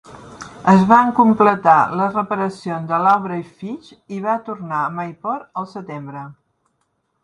Es van completar les reparacions de l'Aubrey Fitch i va tornar a Mayport al setembre.